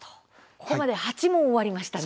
ここまで８問終わりましたね。